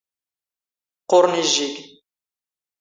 ⵇⵇⵓⵔⵏ ⵉⵊⵊⵉⴳⵏ.